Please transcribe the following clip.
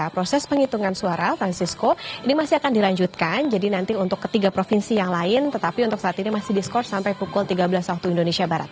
proses penghitungan suara francisco ini masih akan dilanjutkan jadi nanti untuk ketiga provinsi yang lain tetapi untuk saat ini masih diskors sampai pukul tiga belas waktu indonesia barat